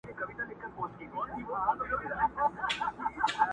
پسرلي راڅخه تېر سول، پر خزان غزل لیکمه!.